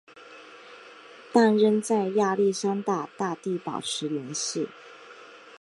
但仍与亚历山大大帝保持联系。